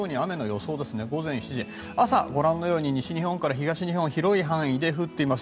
午前７時、朝は西日本から東日本広い範囲で降っています。